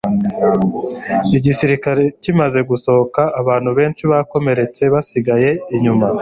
igisirikare kimaze gusohoka, abantu benshi bakomeretse basigaye inyuma